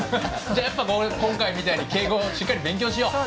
じゃあやっぱ今回みたいに敬語をしっかり勉強しよう。